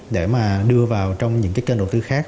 để mà đưa vào trong những cái kênh đầu tư khác